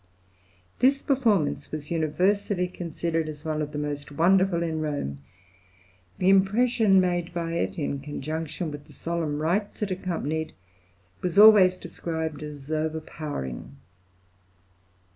This performance was universally considered as one of the most wonderful in Rome; the impression made by it in conjunction with the solemn rites it accompanied was always described as overpowering.